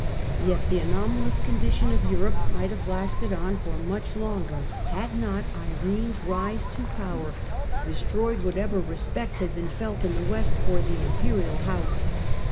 Yet the anomalous condition of Europe might have lasted on for much longer had not Irene's rise to power destroyed whatever respect had been felt in the west for the Imperial house.